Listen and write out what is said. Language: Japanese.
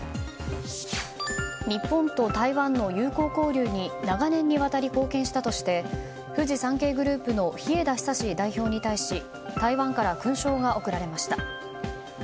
日本と台湾の友好交流に長年にわたり貢献したとしてフジサンケイグループの日枝久代表に対し台湾から勲章が贈られました。